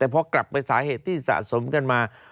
แต่พอกลับไปสาเหตุที่สะสมกันมา